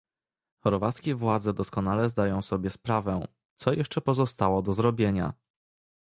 Chorwackie władze doskonale zdają sobie sprawę, co jeszcze pozostało do zrobienia